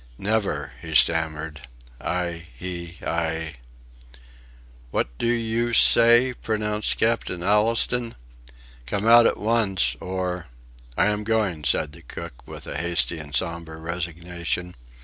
"Never," he stammered, "I... he I." "What do you say?" pronounced Captain Allistoun. "Come out at once or..." "I am going," said the cook, with a hasty and sombre resignation.